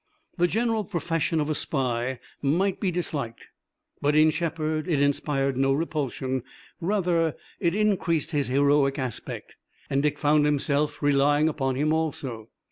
The general profession of a spy might be disliked, but in Shepard it inspired no repulsion, rather it increased his heroic aspect, and Dick found himself relying upon him also.